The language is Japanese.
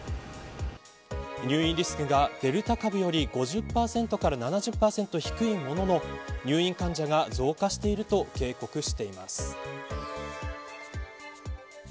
入院リスクがデルタ株より５０％から７０％低いものの入院患者が増加していると警告しています。